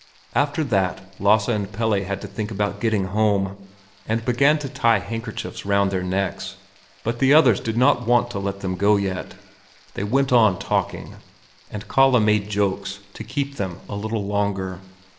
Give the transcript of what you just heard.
After that Lasse and Pelle had to think about getting home, and began to tie handkerchiefs round their necks; but the others did not want to let them go yet. They went on talking, and Kalle made jokes to keep them a little longer.